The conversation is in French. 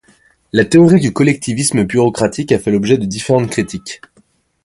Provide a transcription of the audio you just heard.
La théorie du collectivisme bureaucratique a fait l'objet de différentes critiques.